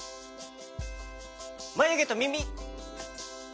まゆげとみみ！